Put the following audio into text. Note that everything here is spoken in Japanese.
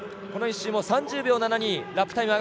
この１周も３０秒７２